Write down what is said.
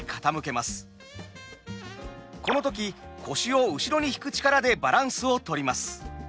この時腰を後ろに引く力でバランスをとります。